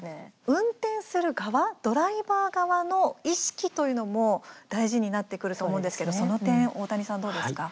運転する側ドライバー側の意識というのも大事になってくると思うんですけれどもその点、大谷さんどうですか？